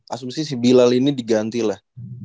asumsi si bilal ini diganti lah